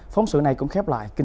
phóng sự này cũng khép lại